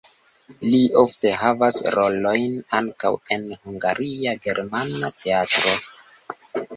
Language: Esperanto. Li ofte havas rolojn ankaŭ en Hungaria Germana Teatro.